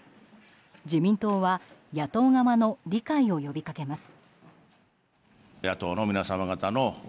自民党は野党側の理解を呼びかけます。